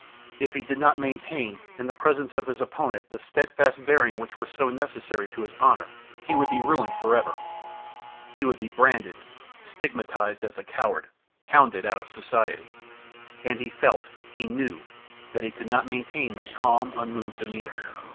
If he did not maintain, in presence of his opponent, the steadfast bearing which was so necessary to his honor, he would be ruined forever. He would be branded, stigmatized as a coward, hounded out of society! And he felt, he knew, that he could not maintain that calm, unmoved demeanor.